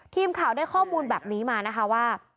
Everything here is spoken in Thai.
ทีมข่าวได้ข้อมูลแบบนี้มานะคะว่า